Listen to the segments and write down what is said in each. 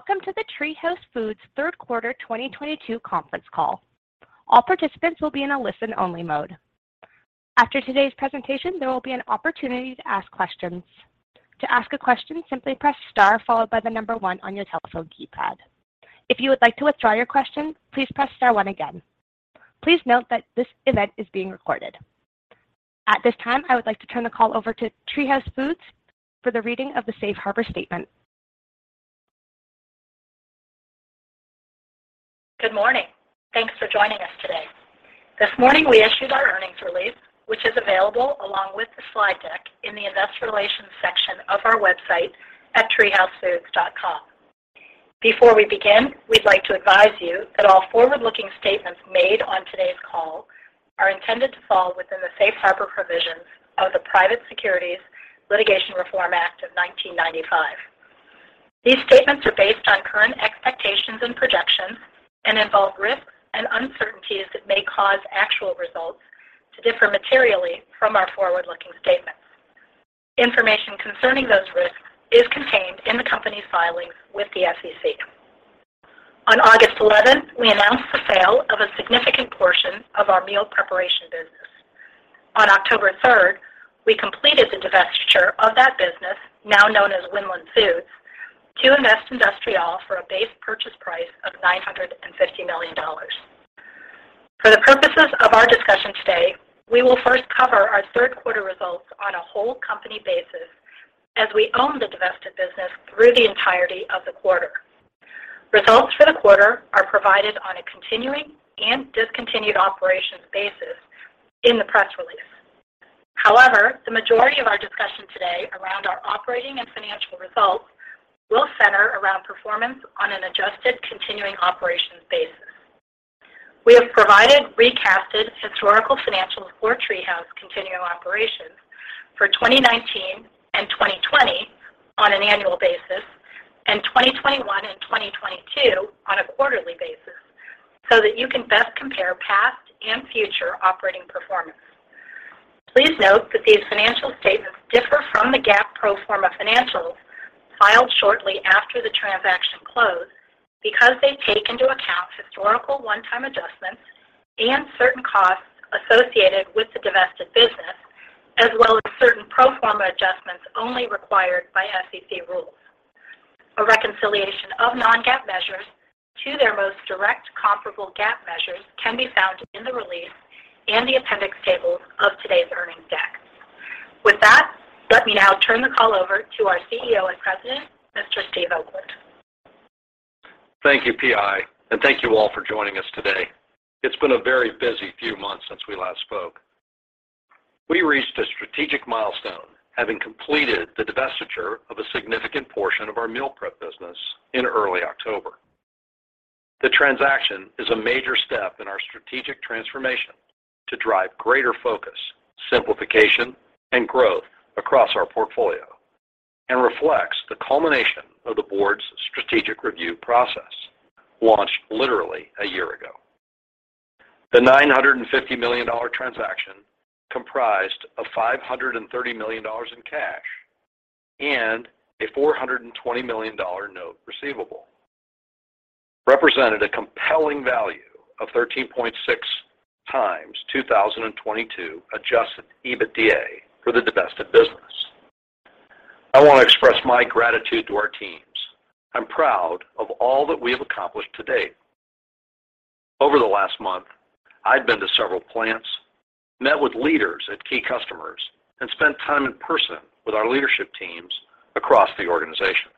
Welcome to the TreeHouse Foods Third Quarter 2022 Conference Call. All participants will be in a listen only mode. After today's presentation, there will be an opportunity to ask questions. To ask a question, simply press star followed by the number one on your telephone keypad. If you would like to withdraw your question, please press star one again. Please note that this event is being recorded. At this time, I would like to turn the call over to TreeHouse Foods for the reading of the Safe Harbor statement. Good morning. Thanks for joining us today. This morning, we issued our earnings release, which is available along with the slide deck in the investor relations section of our website at treehousefoods.com. Before we begin, we'd like to advise you that all forward-looking statements made on today's call are intended to fall within the safe harbor provisions of the Private Securities Litigation Reform Act of 1995. These statements are based on current expectations and projections and involve risks and uncertainties that may cause actual results to differ materially from our forward-looking statements. Information concerning those risks is contained in the company's filings with the SEC. On August 11, we announced the sale of a significant portion of our meal preparation business. On October third, we completed the divestiture of that business, now known as Winland Foods, to Investindustrial for a base purchase price of $950 million. For the purposes of our discussion today, we will first cover our third quarter results on a whole company basis as we own the divested business through the entirety of the quarter. Results for the quarter are provided on a continuing and discontinued operations basis in the press release. However, the majority of our discussion today around our operating and financial results will center around performance on an adjusted continuing operations basis. We have provided recast historical financials for TreeHouse continuing operations for 2019 and 2020 on an annual basis, and 2021 and 2022 on a quarterly basis, so that you can best compare past and future operating performance. Please note that these financial statements differ from the GAAP pro forma financials filed shortly after the transaction closed because they take into account historical one-time adjustments and certain costs associated with the divested business, as well as certain pro forma adjustments only required by SEC rules. A reconciliation of non-GAAP measures to their most direct comparable GAAP measures can be found in the release and the appendix tables of today's earnings deck. With that, let me now turn the call over to our CEO and President, Mr. Steve Oakland. Thank you, PI, and thank you all for joining us today. It's been a very busy few months since we last spoke. We reached a strategic milestone, having completed the divestiture of a significant portion of our meal prep business in early October. The transaction is a major step in our strategic transformation to drive greater focus, simplification, and growth across our portfolio and reflects the culmination of the board's strategic review process, launched literally a year ago. The $950 million transaction, comprised of $530 million in cash and a $420 million note receivable, represented a compelling value of 13.6x 2022 adjusted EBITDA for the divested business. I want to express my gratitude to our teams. I'm proud of all that we have accomplished to date. Over the last month, I've been to several plants, met with leaders at key customers, and spent time in person with our leadership teams across the organization.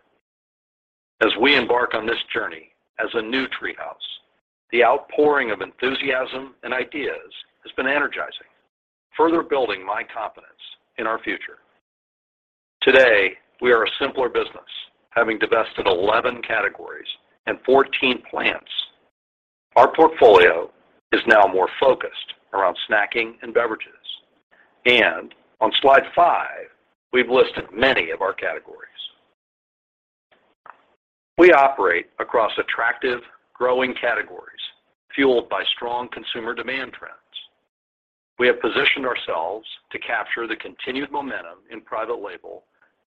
As we embark on this journey as a new TreeHouse, the outpouring of enthusiasm and ideas has been energizing, further building my confidence in our future. Today, we are a simpler business, having divested 11 categories and 14 plants. Our portfolio is now more focused around snacking and beverages. On slide five, we've listed many of our categories. We operate across attractive, growing categories fueled by strong consumer demand trends. We have positioned ourselves to capture the continued momentum in private label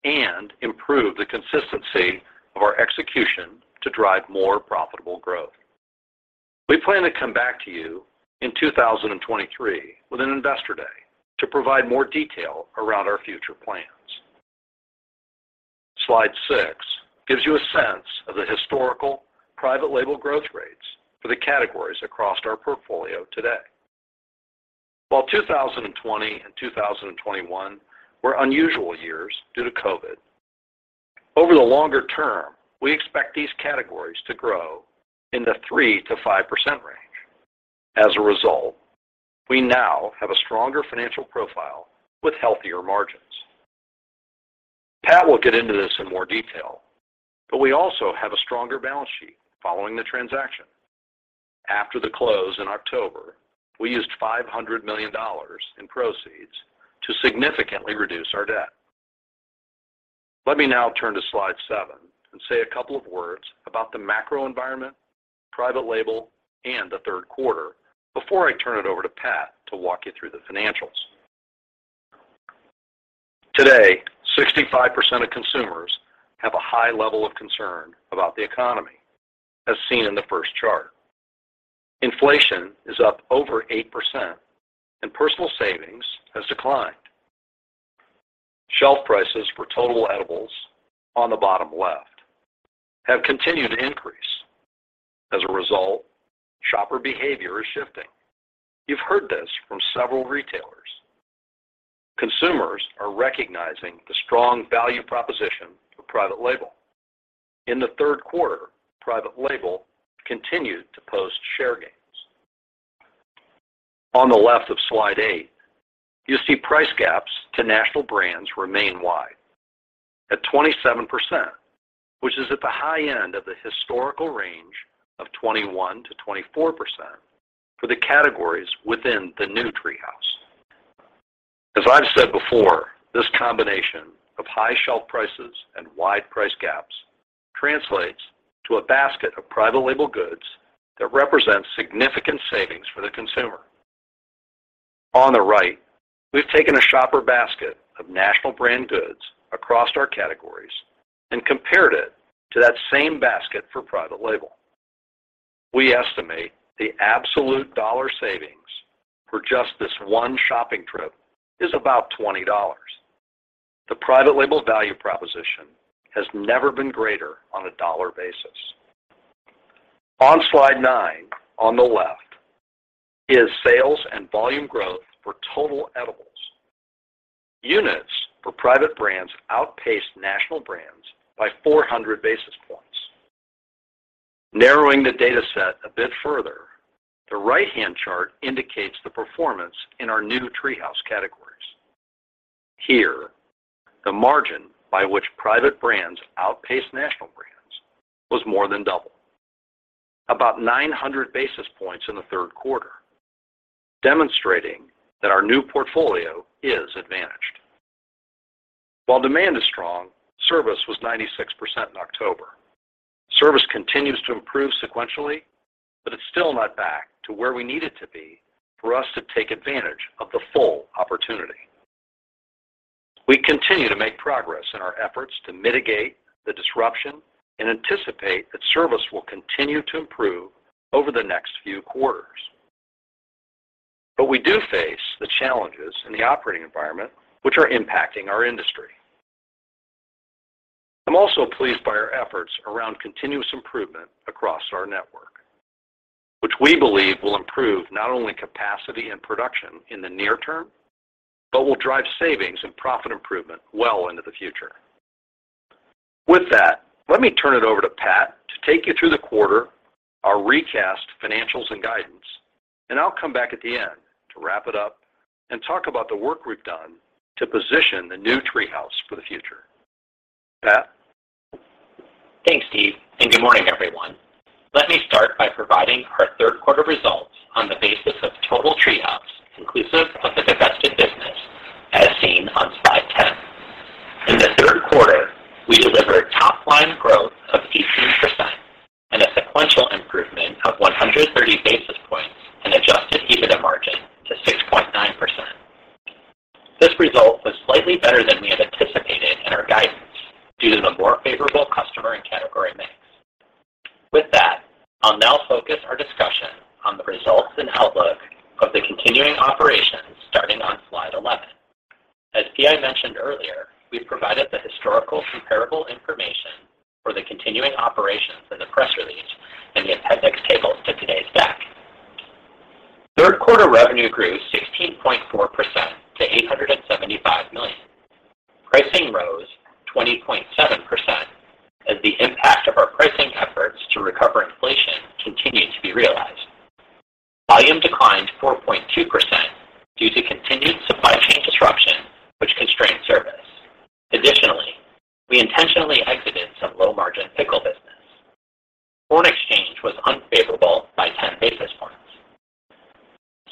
and improve the consistency of our execution to drive more profitable growth. We plan to come back to you in 2023 with an investor day to provide more detail around our future plans. Slide six gives you a sense of the historical private label growth rates for the categories across our portfolio today. While 2020 and 2021 were unusual years due to COVID, over the longer term, we expect these categories to grow in the 3%-5% range. As a result, we now have a stronger financial profile with healthier margins. Pat will get into this in more detail, but we also have a stronger balance sheet following the transaction. After the close in October, we used $500 million in proceeds to significantly reduce our debt. Let me now turn to slide seven and say a couple of words about the macro environment, private label, and the third quarter before I turn it over to Pat to walk you through the financials. Today, 65% of consumers have a high level of concern about the economy, as seen in the first chart. Inflation is up over 8% and personal savings has declined. Shelf prices for total edibles on the bottom left have continued to increase. As a result, shopper behavior is shifting. You've heard this from several retailers. Consumers are recognizing the strong value proposition of private label. In the third quarter, private label continued to post share gains. On the left of slide eight, you see price gaps to national brands remain wide. At 27%, which is at the high end of the historical range of 21%-24% for the categories within the new TreeHouse Foods. As I've said before, this combination of high shelf prices and wide price gaps translates to a basket of private label goods that represents significant savings for the consumer. On the right, we've taken a shopper basket of national brand goods across our categories and compared it to that same basket for private label. We estimate the absolute dollar savings for just this one shopping trip is about $20. The private label value proposition has never been greater on a dollar basis. On slide nine, on the left, is sales and volume growth for total edibles. Units for private brands outpaced national brands by 400 basis points. Narrowing the data set a bit further, the right-hand chart indicates the performance in our new TreeHouse categories. Here, the margin by which private brands outpaced national brands was more than double. About 900 basis points in the third quarter, demonstrating that our new portfolio is advantaged. While demand is strong, service was 96% in October. Service continues to improve sequentially, but it's still not back to where we need it to be for us to take advantage of the full opportunity. We continue to make progress in our efforts to mitigate the disruption and anticipate that service will continue to improve over the next few quarters. We do face the challenges in the operating environment which are impacting our industry. I'm also pleased by our efforts around continuous improvement across our network, which we believe will improve not only capacity and production in the near term, but will drive savings and profit improvement well into the future. With that, let me turn it over to Pat to take you through the quarter, our recast financials and guidance, and I'll come back at the end to wrap it up and talk about the work we've done to position the new TreeHouse for the future. Pat. Thanks, Steve, and good morning, everyone. Let me start by providing our third quarter results on the basis of total TreeHouse, inclusive of the divested business as seen on slide 10. In the third quarter, we delivered top line growth of 18% and a sequential improvement of 130 basis points in adjusted EBITDA margin to 6.9%. This result was slightly better than we had anticipated in our guidance due to the more favorable customer and category mix. With that, I'll now focus our discussion on the results and outlook of the continuing operations starting on slide 11. As Pi mentioned earlier, we provided the historical comparable information for the continuing operations in the press release and the appendix tables to today's deck. Third quarter revenue grew 16.4% to $875 million. Pricing rose 20.7% as the impact of our pricing efforts to recover inflation continued to be realized. Volume declined 4.2% due to continued supply chain disruption, which constrained service. We intentionally exited some low-margin pickle business. Foreign exchange was unfavorable by 10 basis points.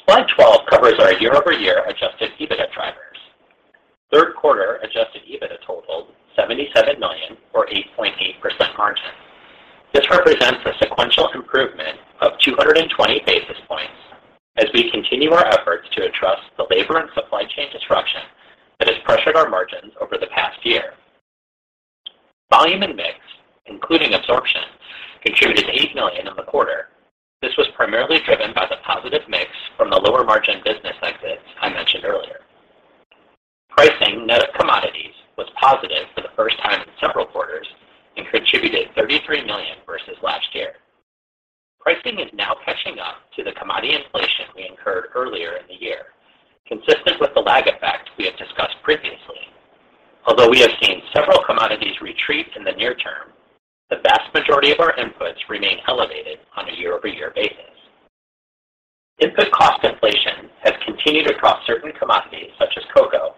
Slide 12 covers our year-over-year adjusted EBITDA drivers. Third quarter adjusted EBITDA totaled $77 million or 8.8% margin. This represents a sequential improvement of 220 basis points as we continue our efforts to address the labor and supply chain disruption that has pressured our margins over the past year. Volume and mix, including absorption, contributed $8 million in the quarter. This was primarily driven by the positive mix from the lower margin business exits I mentioned earlier. Pricing net of commodities was positive for the first time in several quarters and contributed $33 million versus last year. Pricing is now catching up to the commodity inflation we incurred earlier in the year, consistent with the lag effect we have discussed previously. Although we have seen several commodities retreat in the near term, the vast majority of our inputs remain elevated on a year-over-year basis. Input cost inflation has continued across certain commodities such as cocoa,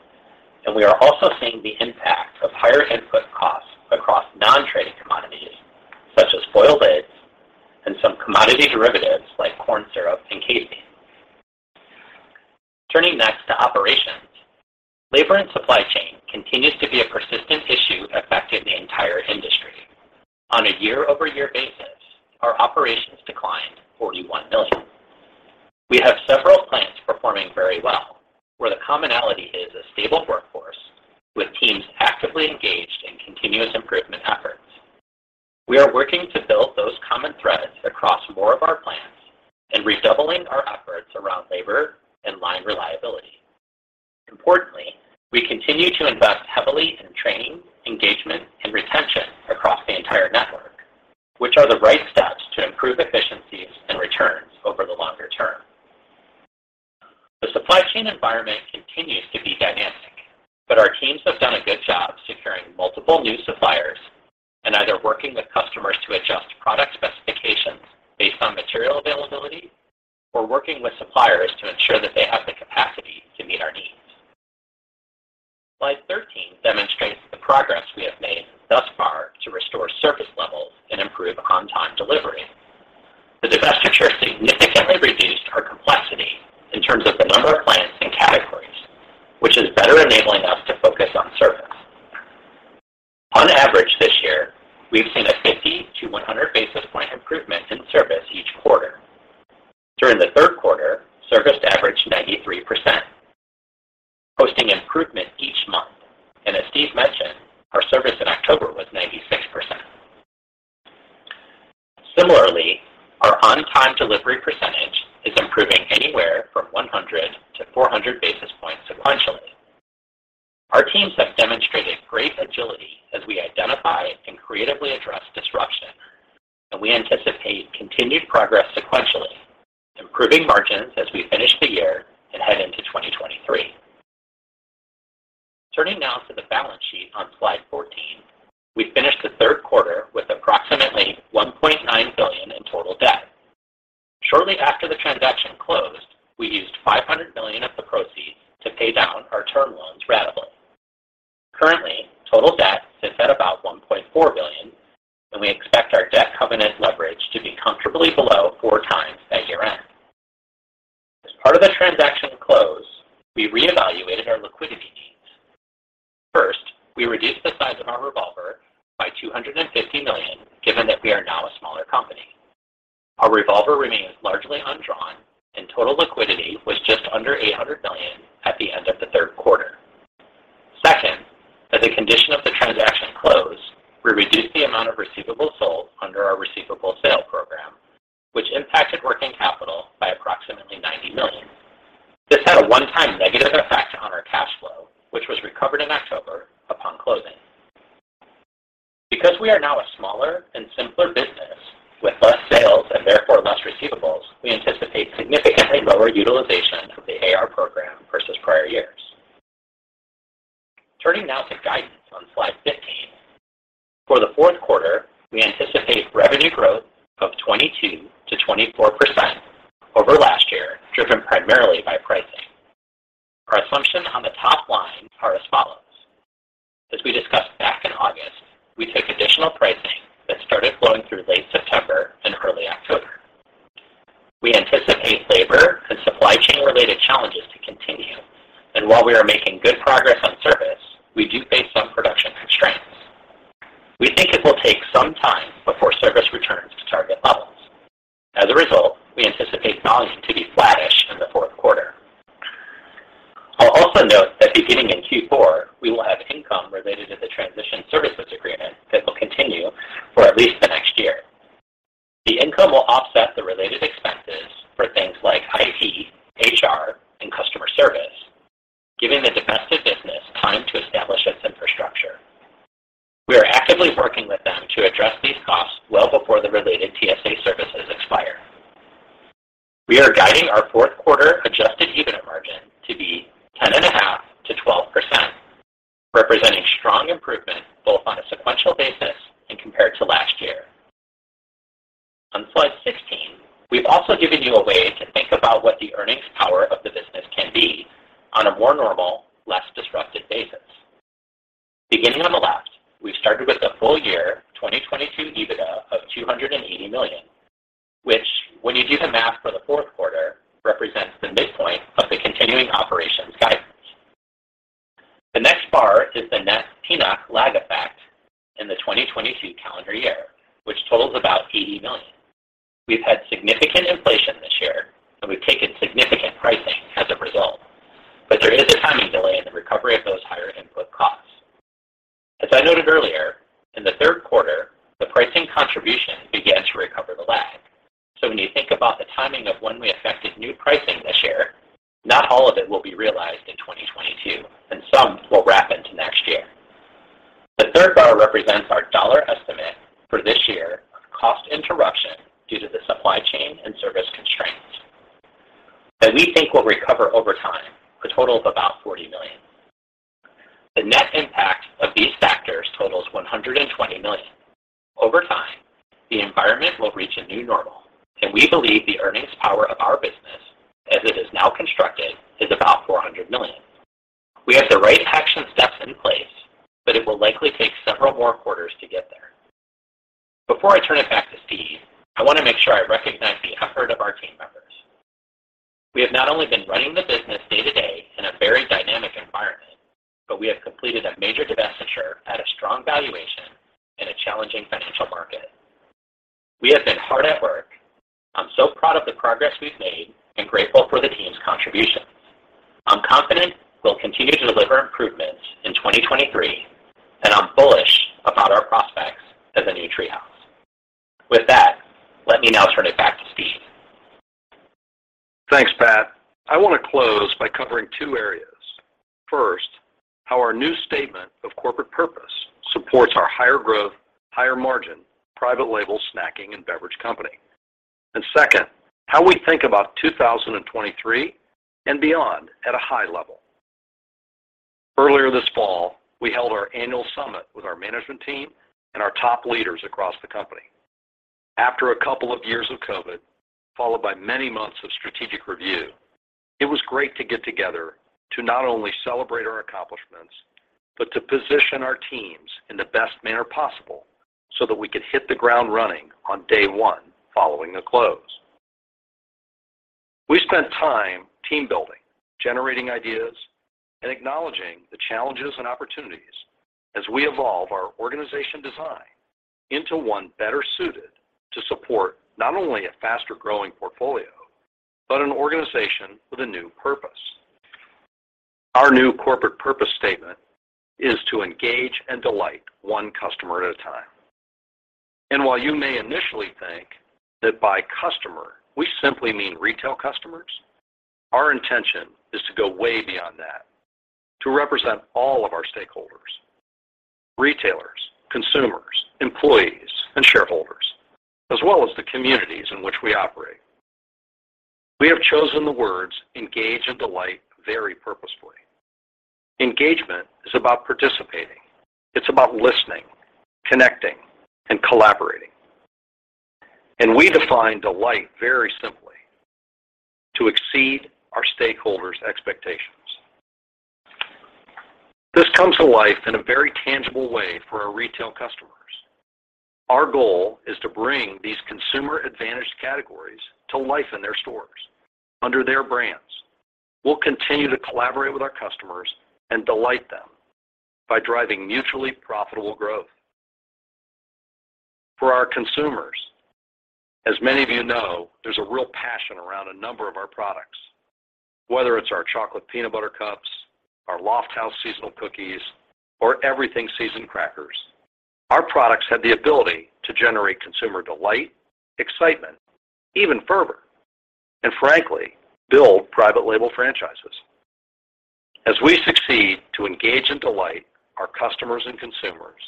and we are also seeing the impact of higher input costs across non-trading commodities such as foil lids and some commodity derivatives like corn syrup and casein. Turning next to operations, labor and supply chain continues to affect the entire industry. On a year-over-year basis, our operations declined $41 million. We have several plants performing very well, where the commonality is a stable workforce with teams actively engaged in continuous improvement efforts. We are working to build those common threads across more of our plants and redoubling our efforts around labor and line reliability. Importantly, we continue to invest heavily in training, engagement, and retention across the entire network, which are the right steps to improve efficiencies and returns over the longer term. The supply chain environment continues to be dynamic, but our teams have done a good job securing multiple new suppliers and either working with customers to adjust product specifications based on material availability or working with suppliers to ensure that they have the capacity to meet our needs. Slide 13 demonstrates the progress we have made thus far to restore service levels and improve on-time delivery. The divestiture significantly reduced with less sales and therefore less receivables, we anticipate significantly lower utilization of the AR program versus prior years. Turning now to guidance on slide 15. For the fourth quarter, we anticipate revenue growth of 22%-24% over last year, driven primarily by pricing. Our assumptions on the top line are as follows. As we discussed back in August, we took additional pricing that started flowing through late September and early October. We anticipate labor and supply chain related challenges to continue, and while we are making good progress on service, we do face some production constraints. We think it will take some time before service returns to target levels. As a result, we anticipate volume to be flattish in the fourth quarter. I'll also note that beginning in Q4, we will have income related to the Transition Services Agreement that will continue for at least the next year. The income will offset the related expenses for things like IT, HR, and customer service, giving the divested business time to establish its infrastructure. We are actively working with them to address these costs well before the related TSA services expire. We are guiding our fourth quarter adjusted EBITDA margin to be 10.5%-12%, representing strong improvement both on a sequential basis and compared to last year. On slide 16, we've also given you a way to think about what the earnings power of the business can be on a more normal, less disrupted basis. Beginning on the left, we've started with a full year 2022 EBITDA of $280 million, which when you do the math for the fourth quarter, represents the midpoint of the continuing operations guidance. The next bar is the net PNOC lag effect in the 2022 calendar year, which totals about $80 million. We've had significant inflation this year and we've taken significant pricing as a result, but there is a timing delay in the recovery of those higher input costs. As I noted earlier, in the third quarter, the pricing contribution began to recover the lag. When you think about the timing of when we effected new pricing this year, not all of it will be realized in 2022 and some will wrap into next year. The third bar represents our dollar estimate for this year of cost interruption due to the supply chain and service constraints that we think will recover over time, a total of about $40 million. The net impact of these factors totals $120 million. Over time, the environment will reach a new normal, and we believe the earnings power of our business as it is now constructed, is about $400 million. We have the right action steps in place, but it will likely take several more quarters to get there. Before I turn it back to Steve, I wanna make sure I recognize the effort of our team members. We have not only been running the business day-to-day in a very dynamic environment, but we have completed a major divestiture at a strong valuation in a challenging financial market. We have been hard at work. I'm so proud of the progress we've made and grateful for the team's contributions. I'm confident we'll continue to deliver improvements in 2023, and I'm bullish about our prospects as the new TreeHouse. With that, let me now turn it back to Steve. Thanks, Pat. I wanna close by covering two areas. First, how our new statement of corporate purpose supports our higher growth, higher margin, private label snacking and beverage company. Second, how we think about 2023 and beyond at a high level. Earlier this fall, we held our annual summit with our management team and our top leaders across the company. After a couple of years of COVID, followed by many months of strategic review, it was great to get together to not only celebrate our accomplishments, but to position our teams in the best manner possible so that we could hit the ground running on day one following the close. We spent time team-building, generating ideas, and acknowledging the challenges and opportunities as we evolve our organization design into one better suited to support not only a faster-growing portfolio, but an organization with a new purpose. Our new corporate purpose statement is to engage and delight one customer at a time. While you may initially think that by customer, we simply mean retail customers, our intention is to go way beyond that to represent all of our stakeholders, retailers, consumers, employees, and shareholders, as well as the communities in which we operate. We have chosen the words engage and delight very purposefully. Engagement is about participating. It's about listening, connecting, and collaborating. We define delight very simply, to exceed our stakeholders' expectations. This comes to life in a very tangible way for our retail customers. Our goal is to bring these consumer-advantaged categories to life in their stores under their brands. We'll continue to collaborate with our customers and delight them by driving mutually profitable growth. For our consumers, as many of you know, there's a real passion around a number of our products. Whether it's our chocolate peanut butter cups, our Lofthouse seasonal cookies, or Everything Seasoned crackers, our products have the ability to generate consumer delight, excitement, even fervor, and frankly, build private label franchises. As we succeed to engage and delight our customers and consumers,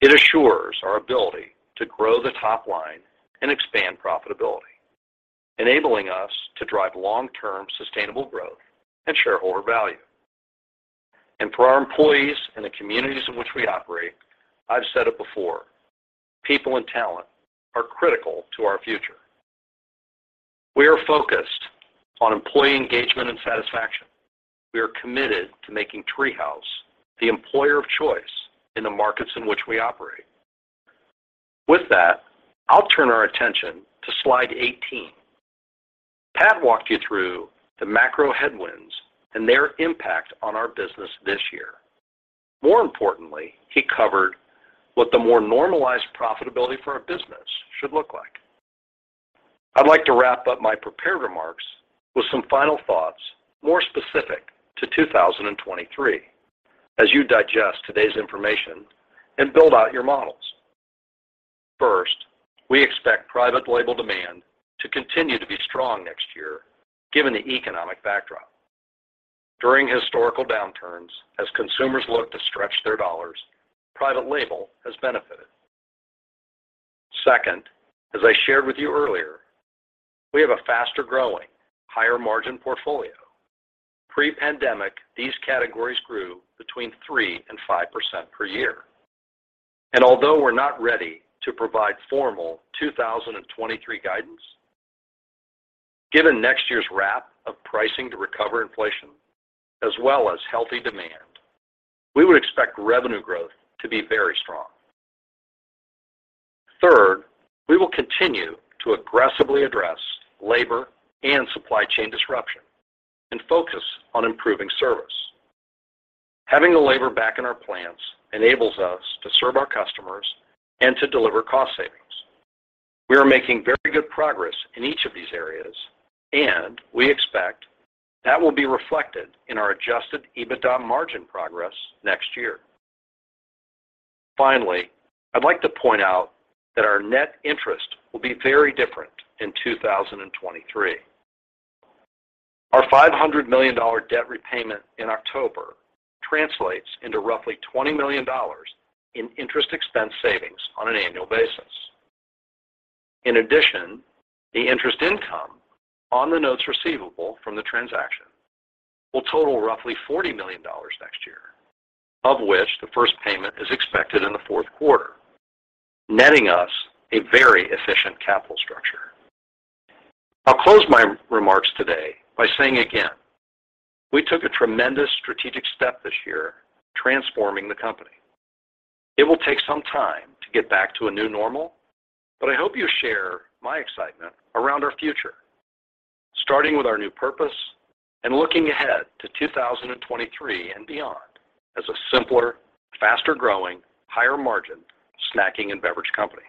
it assures our ability to grow the top line and expand profitability, enabling us to drive long-term sustainable growth and shareholder value. For our employees and the communities in which we operate, I've said it before, people and talent are critical to our future. We are focused on employee engagement and satisfaction. We are committed to making TreeHouse Foods the employer of choice in the markets in which we operate. With that, I'll turn our attention to slide 18. Pat walked you through the macro headwinds and their impact on our business this year. More importantly, he covered what the more normalized profitability for our business should look like. I'd like to wrap up my prepared remarks with some final thoughts more specific to 2023 as you digest today's information and build out your models. First, we expect private label demand to continue to be strong next year given the economic backdrop. During historical downturns, as consumers look to stretch their dollars, private label has benefited. Second, as I shared with you earlier, we have a faster-growing, higher-margin portfolio. Pre-pandemic, these categories grew between 3%-5% per year. Although we're not ready to provide formal 2023 guidance, given next year's wrap of pricing to recover inflation as well as healthy demand, we would expect revenue growth to be very strong. Third, we will continue to aggressively address labor and supply chain disruption and focus on improving service. Having the labor back in our plants enables us to serve our customers and to deliver cost savings. We are making very good progress in each of these areas, and we expect that will be reflected in our adjusted EBITDA margin progress next year. Finally, I'd like to point out that our net interest will be very different in 2023. Our $500 million debt repayment in October translates into roughly $20 million in interest expense savings on an annual basis. In addition, the interest income on the notes receivable from the transaction will total roughly $40 million next year, of which the first payment is expected in the fourth quarter, netting us a very efficient capital structure. I'll close my remarks today by saying again, we took a tremendous strategic step this year transforming the company. It will take some time to get back to a new normal, but I hope you share my excitement around our future, starting with our new purpose and looking ahead to 2023 and beyond as a simpler, faster-growing, higher margin snacking and beverage company.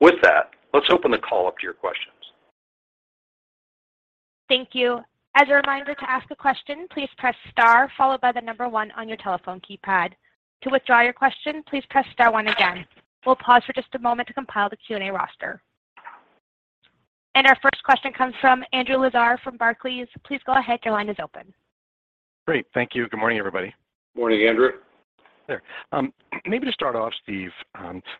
With that, let's open the call up to your questions. Thank you. As a reminder to ask a question, please press star followed by the number one on your telephone keypad. To withdraw your question, please press star one again. We'll pause for just a moment to compile the Q&A roster. Our first question comes from Andrew Lazar from Barclays. Please go ahead, your line is open. Great. Thank you. Good morning, everybody. Morning, Andrew. Maybe to start off, Steve,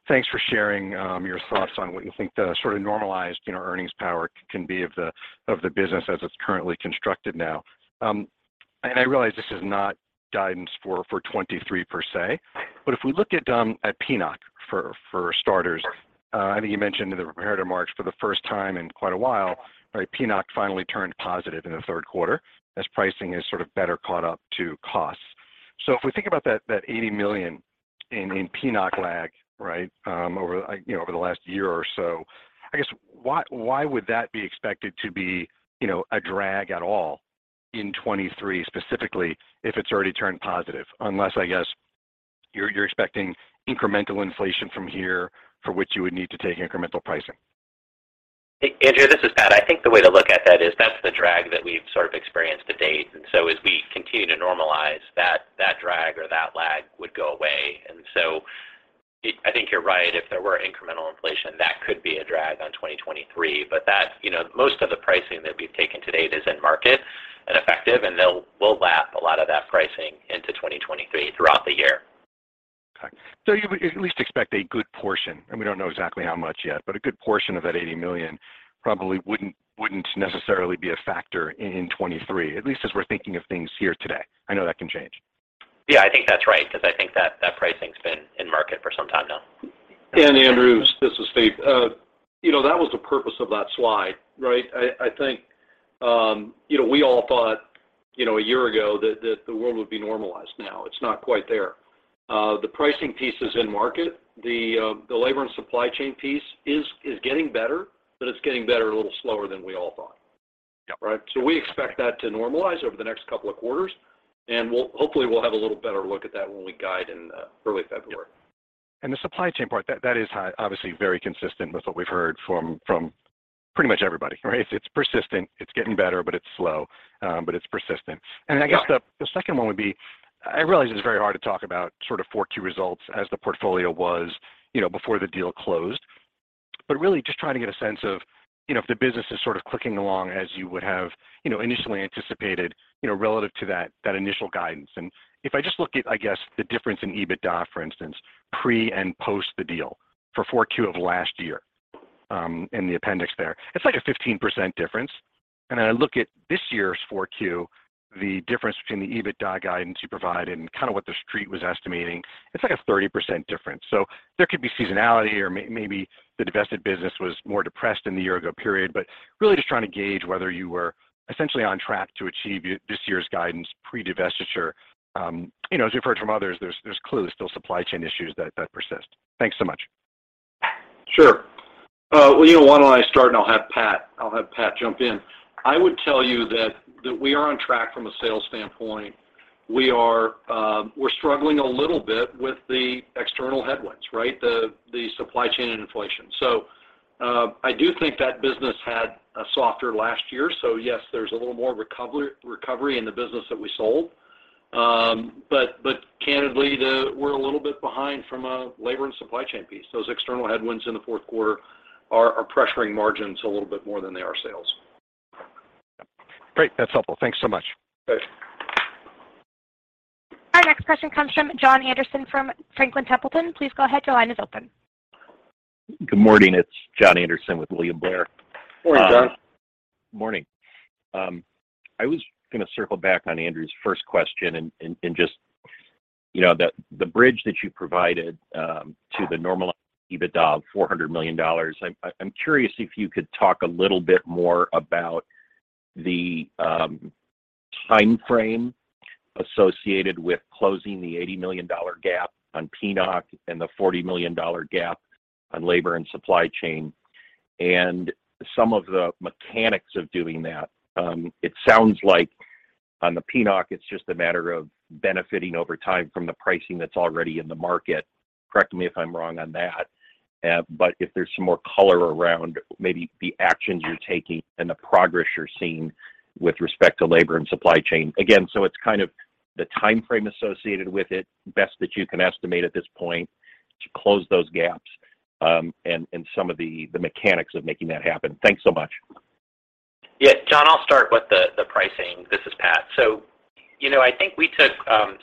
thanks for sharing your thoughts on what you think the sort of normalized, you know, earnings power can be of the business as it's currently constructed now. I realize this is not guidance for 2023 per se, but if we look at PNOC for starters, I think you mentioned in the prepared remarks for the first time in quite a while, right, PNOC finally turned positive in the third quarter as pricing has sort of better caught up to costs. If we think about that $80 million in PNOC lag, over you know over the last year or so, I guess why would that be expected to be you know a drag at all in 2023 specifically if it's already turned positive? Unless, I guess, you're expecting incremental inflation from here for which you would need to take incremental pricing. Andrew, this is Pat. I think the way to look at that is that's the drag that we've sort of experienced to date. As we continue to normalize, that drag or that lag would go away. I think you're right. If there were incremental inflation, that could be a drag on 2023. That, you know, most of the pricing that we've taken to date is in market and effective, and we'll lap a lot of that pricing into 2023 throughout the year. Okay. You at least expect a good portion, and we don't know exactly how much yet, but a good portion of that $80 million probably wouldn't necessarily be a factor in 2023, at least as we're thinking of things here today. I know that can change. Yeah, I think that's right, 'cause I think that pricing's been in market for some time now. Andrew, this is Steve. You know, that was the purpose of that slide, right? I think, you know, we all thought, you know, a year ago that the world would be normalized now. It's not quite there. The pricing piece is in market. The labor and supply chain piece is getting better, but it's getting better a little slower than we all thought. Yeah. Right? We expect that to normalize over the next couple of quarters, and we'll hopefully have a little better look at that when we guide in early February. The supply chain part, that is obviously very consistent with what we've heard from pretty much everybody, right? It's persistent. It's getting better, but it's slow, but it's persistent. Yeah. I guess the second one would be. I realize it's very hard to talk about sort of 4Q results as the portfolio was, you know, before the deal closed, but really just trying to get a sense of, you know, if the business is sort of clicking along as you would have, you know, initially anticipated, you know, relative to that initial guidance. If I just look at, I guess, the difference in EBITDA, for instance, pre and post the deal for 4Q of last year, in the appendix there, it's like a 15% difference. Then I look at this year's 4Q, the difference between the EBITDA guidance you provide and kinda what the street was estimating, it's like a 30% difference. There could be seasonality or maybe the divested business was more depressed than the year ago period, but really just trying to gauge whether you were essentially on track to achieve this year's guidance pre-divestiture. You know, as we've heard from others, there's clearly still supply chain issues that persist. Thanks so much. Sure. Well, you know, why don't I start, and I'll have Pat jump in. I would tell you that we are on track from a sales standpoint. We are, we're struggling a little bit with the external headwinds, right? The supply chain and inflation. I do think that business had a softer last year. Yes, there's a little more recovery in the business that we sold. Candidly, we're a little bit behind from a labor and supply chain piece. Those external headwinds in the fourth quarter are pressuring margins a little bit more than they are sales. Great. That's helpful. Thanks so much. Thanks. Our next question comes from John Anderson from William Blair. Please go ahead, your line is open. Good morning. It's John Anderson with William Blair. Morning, John. Morning. I was gonna circle back on Andrew's first question and just, you know, the bridge that you provided to the normalized EBITDA of $400 million, I'm curious if you could talk a little bit more about the timeframe associated with closing the $80 million gap on PNOC and the $40 million gap on labor and supply chain and some of the mechanics of doing that. It sounds like on the PNOC, it's just a matter of benefiting over time from the pricing that's already in the market. Correct me if I'm wrong on that. If there's some more color around maybe the actions you're taking and the progress you're seeing with respect to labor and supply chain. Again, it's kind of the timeframe associated with it, best that you can estimate at this point to close those gaps, and some of the mechanics of making that happen. Thanks so much. Yeah. John, I'll start with the pricing. This is Pat. You know, I think we took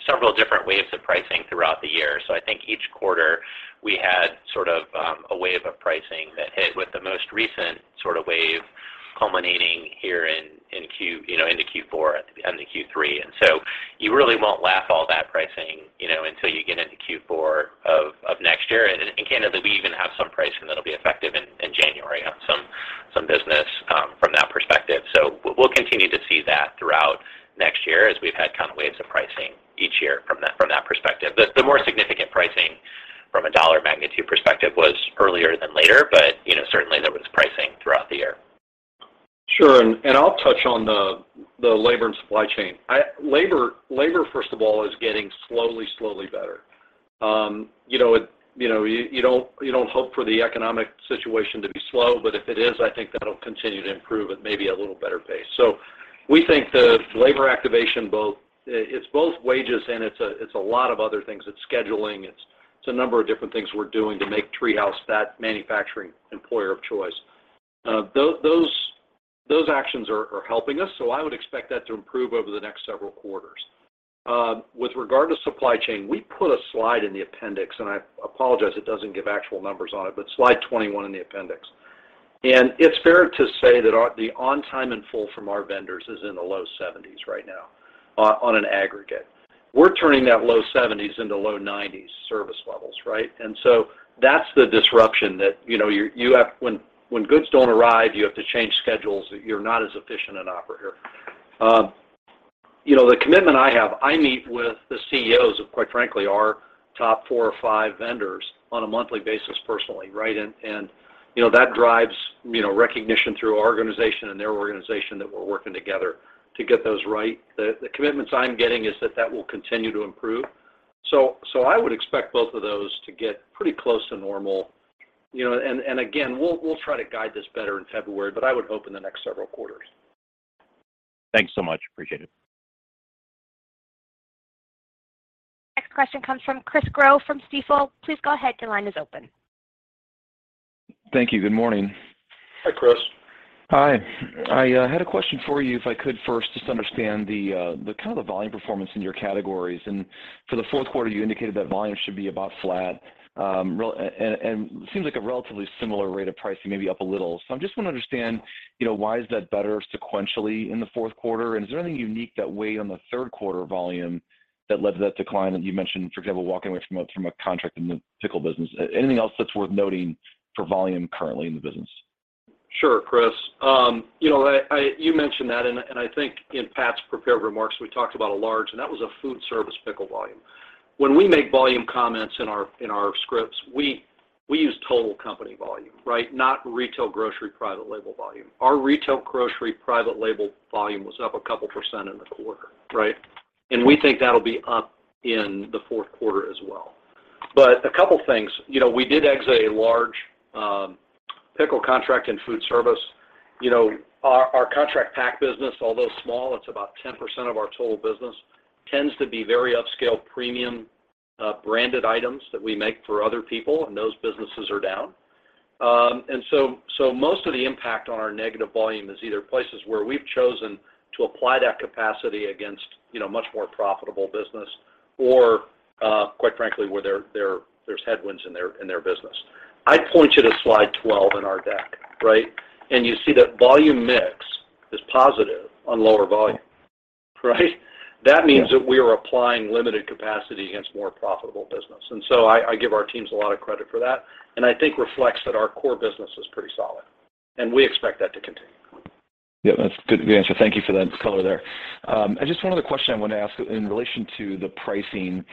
several different waves of pricing throughout the year. I think each quarter we had sort of a wave of pricing that hit with the most recent sort of wave culminating here in Q3. You really won't lap all that pricing, you know, until you get into Q4 of next year. In Canada, we even have some pricing that'll be effective in January on some business from that perspective. We'll continue to see that throughout next year as we've had kind of waves of pricing each year from that perspective. The more significant pricing from a dollar magnitude perspective was earlier than later, but, you know, certainly there was pricing throughout the year. Sure. I'll touch on the labor and supply chain. Labor, first of all, is getting slowly better. You know, you don't hope for the economic situation to be slow, but if it is, I think that'll continue to improve at maybe a little better pace. We think the labor activation, it's both wages and it's a lot of other things. It's scheduling, it's a number of different things we're doing to make TreeHouse that manufacturing employer of choice. Those actions are helping us, so I would expect that to improve over the next several quarters. With regard to supply chain, we put a slide in the appendix, and I apologize, it doesn't give actual numbers on it, but slide 21 in the appendix. It's fair to say that our the on-time and full from our vendors is in the low 70s% right now on an aggregate. We're turning that low 70s% into low 90s% service levels, right? That's the disruption that, you know, you have. When goods don't arrive, you have to change schedules. You're not as efficient an operator. You know, the commitment I have, I meet with the CEOs of, quite frankly, our top 4 or 5 vendors on a monthly basis personally, right? You know, that drives recognition through our organization and their organization that we're working together to get those right. The commitments I'm getting is that that will continue to improve. I would expect both of those to get pretty close to normal, you know, and again, we'll try to guide this better in February, but I would hope in the next several quarters. Thanks so much. Appreciate it. Next question comes from Chris Growe from Stifel. Please go ahead, your line is open. Thank you. Good morning. Hi, Chris. Hi. I had a question for you, if I could first just understand the kind of volume performance in your categories. For the fourth quarter, you indicated that volume should be about flat. It seems like a relatively similar rate of pricing, maybe up a little. I just want to understand, you know, why is that better sequentially in the fourth quarter? Is there anything unique that weighed on the third quarter volume that led to that decline that you mentioned, for example, walking away from a contract in the pickle business? Anything else that's worth noting for volume currently in the business? Sure, Chris. You know, you mentioned that and I think in Pat's prepared remarks, we talked about a large, and that was a food service pickle volume. When we make volume comments in our scripts, we use total company volume, right? Not retail grocery private label volume. Our retail grocery private label volume was up a couple% in the quarter, right? We think that'll be up in the fourth quarter as well. A couple of things, you know, we did exit a large pickle contract in food service. You know, our contract pack business, although small, it's about 10% of our total business, tends to be very upscale premium branded items that we make for other people, and those businesses are down. Most of the impact on our negative volume is either places where we've chosen to apply that capacity against, you know, much more profitable business or, quite frankly, where there's headwinds in their business. I'd point you to slide 12 in our deck, right? You see that volume mix is positive on lower volume, right? That means that we are applying limited capacity against more profitable business. I give our teams a lot of credit for that, and I think reflects that our core business is pretty solid, and we expect that to continue. Yeah, that's good answer. Thank you for that color there. Just one other question I wanted to ask. In relation to the pricing,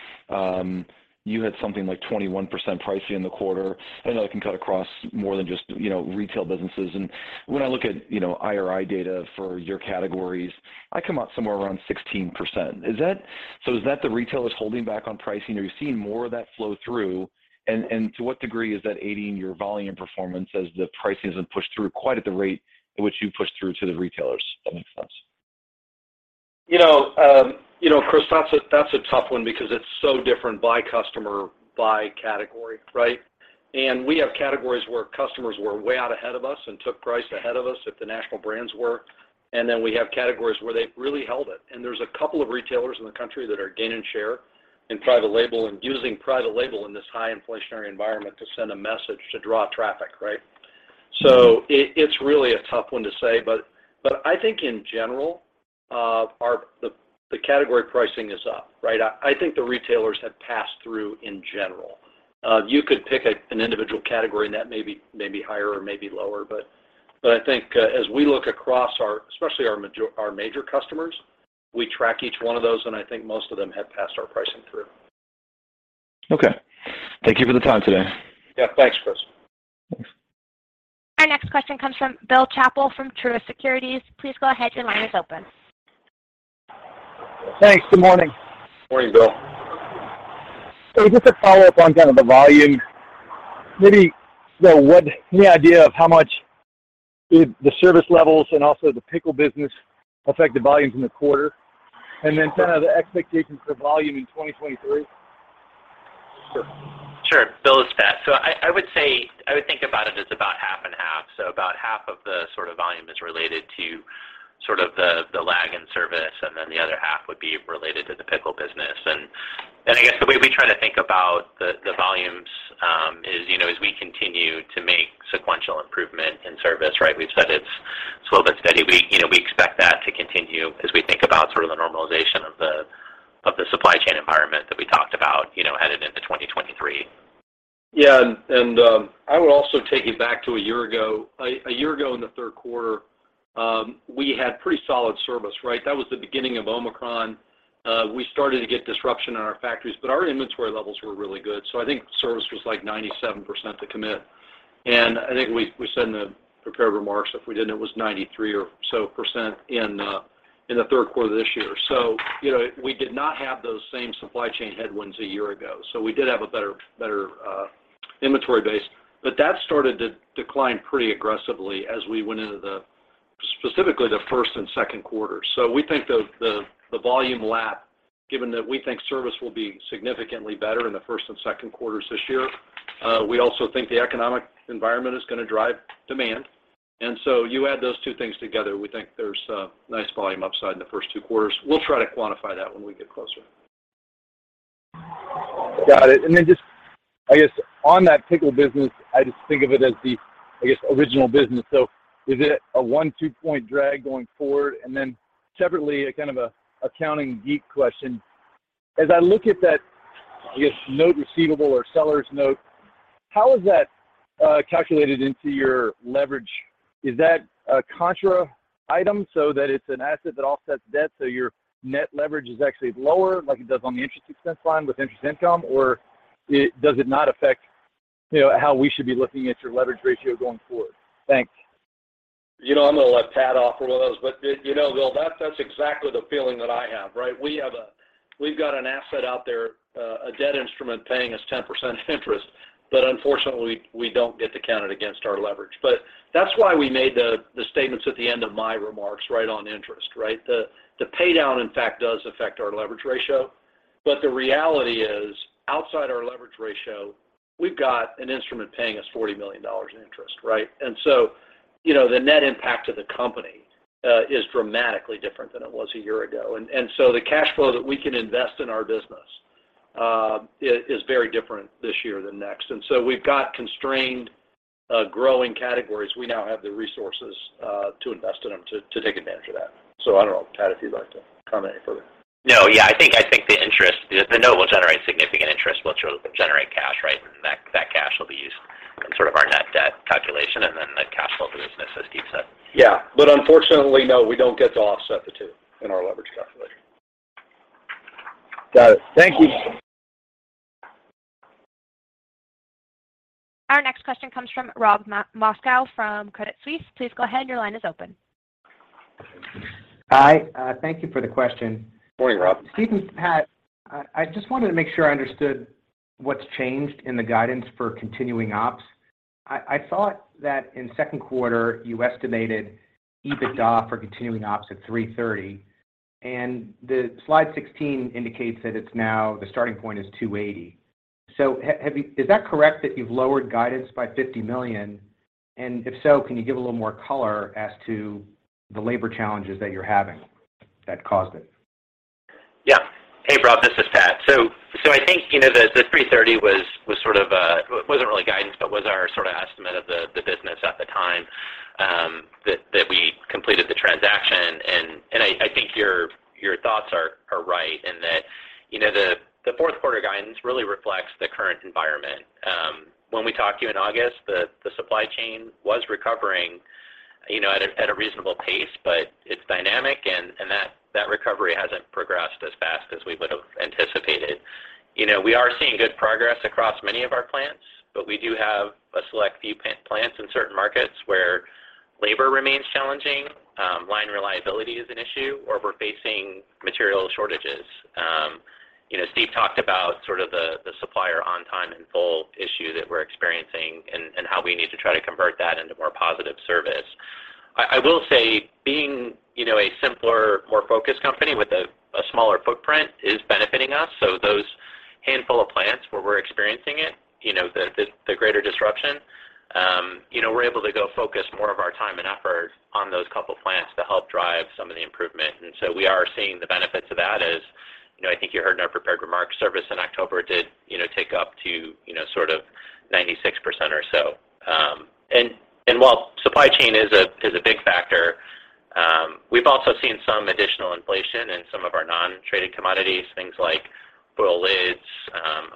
you had something like 21% pricing in the quarter. I know it can cut across more than just, you know, retail businesses. When I look at, you know, IRI data for your categories, I come out somewhere around 16%. Is that the retailers holding back on pricing, or are you seeing more of that flow through? To what degree is that aiding your volume performance as the pricing isn't pushed through quite at the rate at which you push through to the retailers, if that makes sense? You know, Chris, that's a tough one because it's so different by customer, by category, right? We have categories where customers were way out ahead of us and took price ahead of us if the national brands were. We have categories where they've really held it. There's a couple of retailers in the country that are gaining share in private label and using private label in this high inflationary environment to send a message to draw traffic, right? It's really a tough one to say. I think in general, the category pricing is up, right? I think the retailers have passed through in general. You could pick an individual category and that may be higher or may be lower. I think, as we look across our, especially our major customers, we track each one of those, and I think most of them have passed our pricing through. Okay. Thank you for the time today. Yeah, thanks, Chris. Thanks. Our next question comes from Bill Chappell from Truist Securities. Please go ahead, your line is open. Thanks. Good morning. Morning, Bill. Just to follow up on kind of the volume, maybe, so what? Any idea of how much the service levels and also the pickle business affect the volumes in the quarter? Kind of the expectations for volume in 2023? Sure. Sure. Sure. Bill, it's Pat. I would think about it as about half and half. About half of the sort of volume is related to sort of the lag in service, and then the other half would be related to the pickle business. I guess the way we try to think about the volumes is, you know, as we continue to make sequential improvement in service, right? We've said it's slow but steady. We expect that to continue as we think about sort of the normalization of the supply chain environment that we talked about, you know, headed into 2023. Yeah. I would also take you back to a year ago in the third quarter. We had pretty solid service, right? That was the beginning of Omicron. We started to get disruption in our factories, but our inventory levels were really good. I think service was like 97% to commit. I think we said in the prepared remarks, if we didn't, it was 93% or so in the third quarter of this year. You know, we did not have those same supply chain headwinds a year ago, so we did have a better inventory base. That started to decline pretty aggressively as we went into specifically the first and second quarter. We think the volume lap, given that we think service will be significantly better in the first and second quarters this year, we also think the economic environment is gonna drive demand. You add those two things together, we think there's a nice volume upside in the first two quarters. We'll try to quantify that when we get closer. Got it. Just, I guess, on that pickle business, I just think of it as the, I guess, original business. Is it a 1-2 point drag going forward? Separately, a kind of accounting geek question. As I look at that, I guess, note receivable or seller's note, how is that calculated into your leverage? Is that a contra item so that it's an asset that offsets debt, so your net leverage is actually lower like it does on the interest expense line with interest income? Or does it not affect, you know, how we should be looking at your leverage ratio going forward? Thanks. You know, I'm gonna let Pat offer one of those. You know, Will, that's exactly the feeling that I have, right? We've got an asset out there, a debt instrument paying us 10% interest, but unfortunately we don't get to count it against our leverage. That's why we made the statements at the end of my remarks right on interest, right? The pay down in fact does affect our leverage ratio. The reality is, outside our leverage ratio, we've got an instrument paying us $40 million in interest, right? You know, the net impact to the company is dramatically different than it was a year ago. The cash flow that we can invest in our business is very different this year than next. We've got constrained growing categories. We now have the resources to invest in them to take advantage of that. I don't know, Pat, if you'd like to comment any further. No. Yeah. I think the interest. The note will generate significant interest, which will generate cash, right? That cash will be used in sort of our net debt calculation and then the cash flow to the business as Steve said. Yeah. Unfortunately, no, we don't get to offset the two in our leverage calculation. Got it. Thank you. Our next question comes from Rob Moskow from Credit Suisse. Please go ahead. Your line is open. Hi. Thank you for the question. Morning, Rob. Steve, Pat, I just wanted to make sure I understood what's changed in the guidance for continuing ops. I saw that in second quarter, you estimated EBITDA for continuing ops at $330, and the slide 16 indicates that it's now the starting point is $280. Is that correct that you've lowered guidance by $50 million? If so, can you give a little more color as to the labor challenges that you're having that caused it? Yeah. Hey, Rob, this is Pat. I think, you know, the $3.30 was sort of wasn't really guidance, but was our sorta estimate of the business at the time that we completed the transaction. I think your thoughts are right and that, you know, the fourth quarter guidance really reflects the current environment. When we talked to you in August, the supply chain was recovering, you know, at a reasonable pace, but it's dynamic and that recovery hasn't progressed as fast as we would have anticipated. You know, we are seeing good progress across many of our plants, but we do have a select few plants in certain markets where labor remains challenging, line reliability is an issue, or we're facing material shortages. You know, Steve talked about sort of the supplier on time and full issue that we're experiencing and how we need to try to convert that into more positive service. I will say being, you know, a simpler, more focused company with a smaller footprint is benefiting us. Those handful of plants where we're experiencing it, you know, the greater disruption, you know, we're able to focus more of our time and effort on those couple plants to help drive some of the improvement. We are seeing the benefits of that as, you know, I think you heard in our prepared remarks service in October did tick up to sort of 96% or so. While supply chain is a big factor, we've also seen some additional inflation in some of our non-traded commodities, things like foil lids,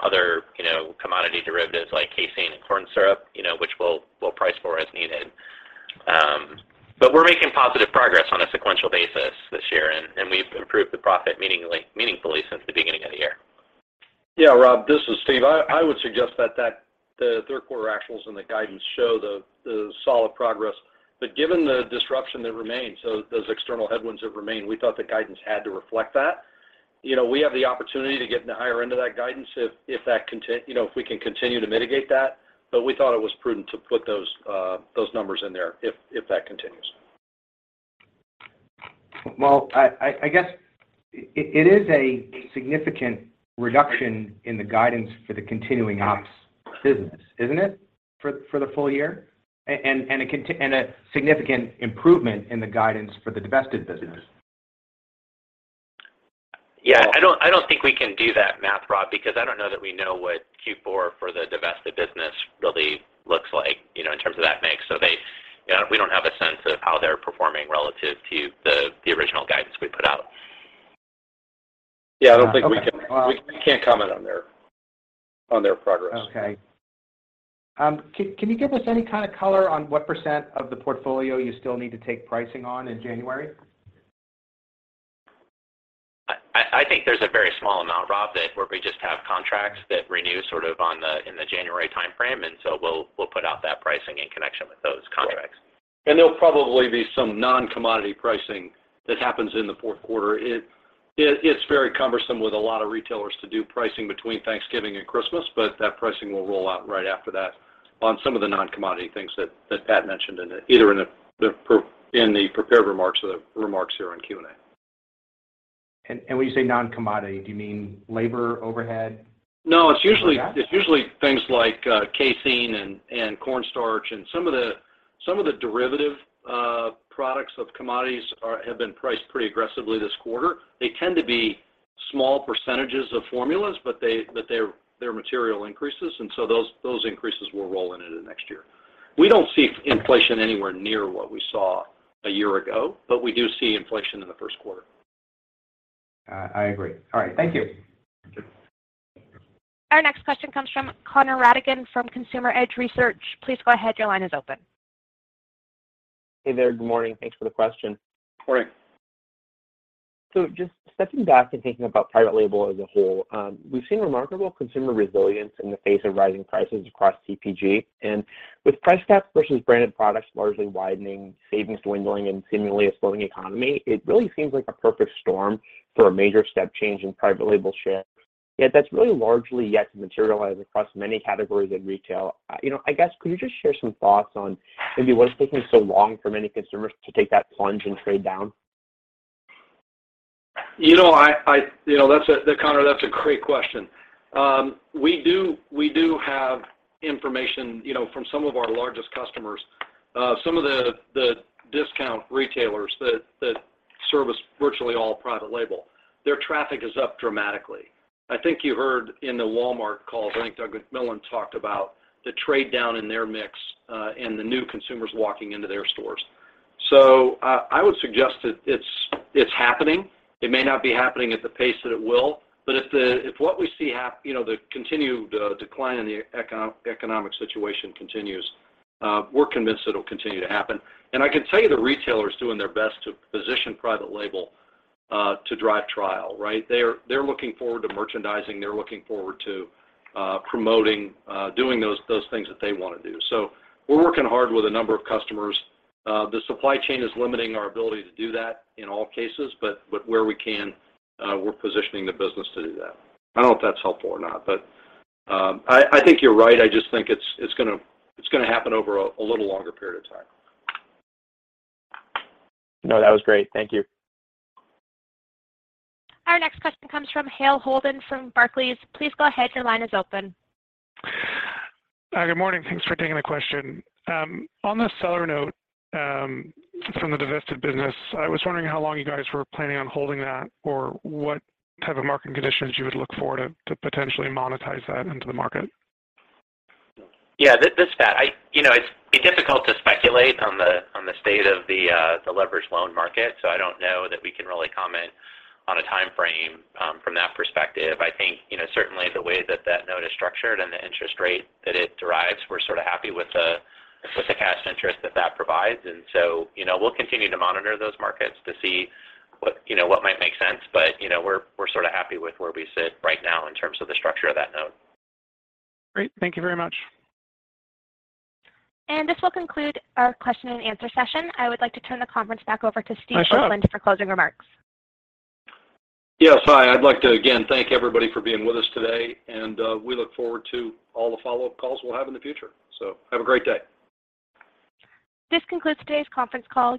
other, you know, commodity derivatives like casein and corn syrup, you know, which we'll price for as needed. We're making positive progress on a sequential basis this year, and we've improved the profit meaningfully since the beginning of the year. Yeah, Rob, this is Steve. I would suggest that the third quarter actuals and the guidance show the solid progress. Given the disruption that remains, so those external headwinds that remain, we thought the guidance had to reflect that. You know, we have the opportunity to get in the higher end of that guidance if you know, if we can continue to mitigate that. We thought it was prudent to put those numbers in there if that continues. Well, I guess it is a significant reduction in the guidance for the continuing ops business, isn't it, for the full year? A significant improvement in the guidance for the divested business. Yeah. I don't think we can do that math, Rob, because I don't know that we know what Q4 for the divested business really looks like, you know, in terms of that mix. You know, we don't have a sense of how they're performing relative to the original guidance we put out. Yeah, I don't think we can. We can't comment on their progress. Okay. Can you give us any kind of color on what percent of the portfolio you still need to take pricing on in January? I think there's a very small amount, Rob, that's where we just have contracts that renew sort of in the January timeframe, and so we'll put out that pricing in connection with those contracts. There'll probably be some non-commodity pricing that happens in the fourth quarter. It's very cumbersome with a lot of retailers to do pricing between Thanksgiving and Christmas, but that pricing will roll out right after that on some of the non-commodity things that Pat mentioned either in the prepared remarks or the remarks here on Q&A. When you say non-commodity, do you mean labor, overhead? No, it's usually things like casein and corn starch and some of the derivative products of commodities have been priced pretty aggressively this quarter. They tend to be small percentages of formulas, but they're material increases, and so those increases will roll into the next year. We don't see inflation anywhere near what we saw a year ago, but we do see inflation in the first quarter. I agree. All right. Thank you. Thank you. Our next question comes from Connor Rattigan from Consumer Edge Research. Please go ahead. Your line is open. Hey there. Good morning. Thanks for the question. Morning. Just stepping back and thinking about private label as a whole, we've seen remarkable consumer resilience in the face of rising prices across CPG. With price gaps versus branded products largely widening, savings dwindling, and seemingly a slowing economy, it really seems like a perfect storm for a major step change in private label share, yet that's really largely yet to materialize across many categories in retail. You know, I guess could you just share some thoughts on maybe what's taking so long for many consumers to take that plunge and trade down? You know, that's a great question, Connor. We have information, you know, from some of our largest customers. Some of the discount retailers that service virtually all private label, their traffic is up dramatically. I think you heard in the Walmart call. I think Doug McMillon talked about the trade down in their mix, and the new consumers walking into their stores. I would suggest that it's happening. It may not be happening at the pace that it will. If what we see, you know, the continued decline in the economic situation continues, we're convinced it'll continue to happen. I can tell you the retailers doing their best to position private label to drive trial, right? They're looking forward to merchandising. They're looking forward to promoting doing those things that they wanna do. We're working hard with a number of customers. The supply chain is limiting our ability to do that in all cases, but where we can, we're positioning the business to do that. I don't know if that's helpful or not, but I think you're right. I just think it's gonna happen over a little longer period of time. No, that was great. Thank you. Our next question comes from Hale Holden from Barclays. Please go ahead. Your line is open. Good morning. Thanks for taking the question. On the seller note from the divested business, I was wondering how long you guys were planning on holding that or what type of market conditions you would look for to potentially monetize that into the market? Yeah. That's Pat. You know, it's difficult to speculate on the state of the leverage loan market, so I don't know that we can really comment on a timeframe from that perspective. I think, you know, certainly the way that note is structured and the interest rate that it derives, we're sort of happy with the cash interest that provides. You know, we'll continue to monitor those markets to see what might make sense. You know, we're sort of happy with where we sit right now in terms of the structure of that note. Great. Thank you very much. This will conclude our question and answer session. I would like to turn the conference back over to Steve Oakland. Thanks, Hale. - for closing remarks. Yes. Hi, I'd like to, again, thank everybody for being with us today, and we look forward to all the follow-up calls we'll have in the future. Have a great day. This concludes today's conference call.